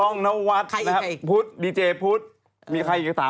นักกาลังจะมรุมนะเนอะ